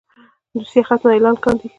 دوسيه ختمه اعلان کاندي.